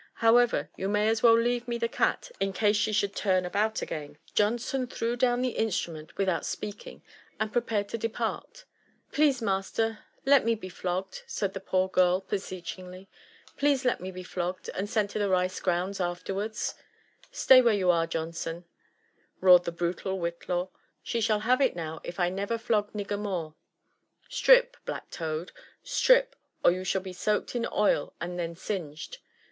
However, you may as well leave me the cat in case she should turnabout again.". Johnson threw down the instrument without speaking, and prepared to depart. " Please, master, let me be flogged," said the poor girl beseechingly, —" please let me be flogged, and sent to the rice*grounds afterwards." Stay where you are, Johnson 1" roturedthe krutal Whitlaw ; "she shall have it now if I never flog nigger more. Strip, black toad — strip, or you shall be soaked in oil and then singed.